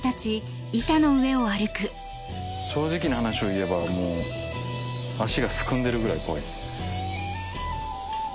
正直な話を言えばもう足がすくんでるぐらい怖い。